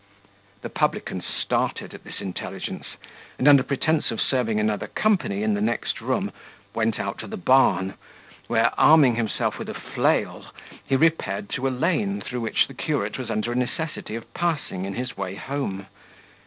The publican started at this intelligence, and, under pretence of serving another company in the next room, went out to the barn, where, arming himself with a flail, he repaired to a lane through which the curate was under a necessity of passing in his way home.